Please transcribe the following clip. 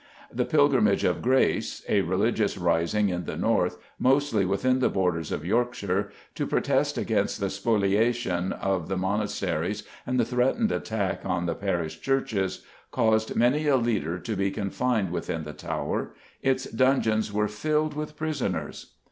The "Pilgrimage of Grace," a religious rising in the North, mostly within the borders of Yorkshire, to protest against the spoliation of the monasteries and the threatened attack on the parish churches, caused many a leader to be confined within the Tower. Its dungeons were filled with prisoners.